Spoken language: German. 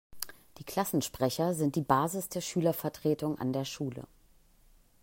Die Klassensprecher sind die Basis der Schülervertretung an der Schule.